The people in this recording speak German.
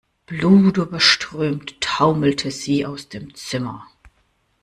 Blutüberströmt taumelte sie aus dem Zimmer.